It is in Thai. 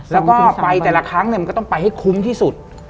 แล้วก็ไปแต่ละครั้งมันก็ต้องไปให้คุ้มที่สุด